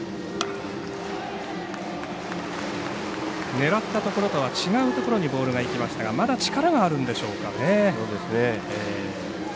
狙ったところは違うところにボールがいきましたがまだ力があるんでしょうかね。